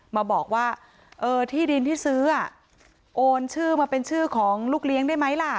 มาบอกว่าเออที่ดินที่ซื้อโอนชื่อมาเป็นชื่อของลูกเลี้ยงได้ไหมล่ะ